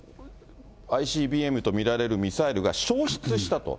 ＩＣＢＭと見られるミサイルが消失したと。